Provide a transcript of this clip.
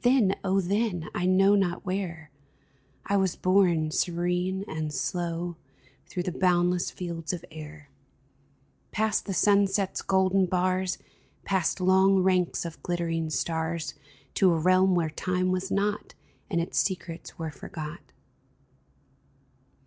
Then, oh then, I know not where, I was borne, serene and slow, Through the boundless fields of air — Past the sunset's golden bars, Past long ranks of glittering stars, To a realm where time was not, And its secrets were forgot